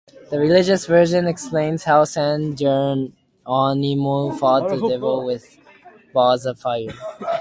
The religious version explains how San Jeronimo fought the Devil with balls of fire.